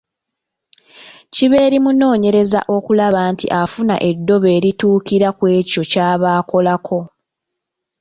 Kiba eri munoonyereza okulaba nti afuna eddobo erituukira ku ekyo ky’aba akolako.